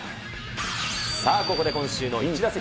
さあ、ここで今週のイチ打席。